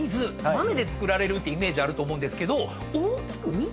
豆で造られるってイメージあると思うんですけど。